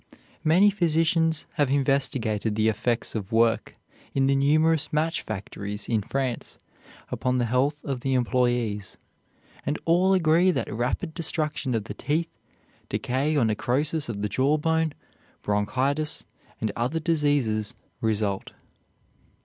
Many physicians have investigated the effects of work in the numerous match factories in France upon the health of the employees, and all agree that rapid destruction of the teeth, decay or necrosis of the jawbone, bronchitis, and other diseases result.